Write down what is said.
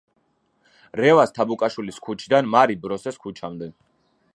რევაზ თაბუკაშვილის ქუჩიდან მარი ბროსეს ქუჩამდე.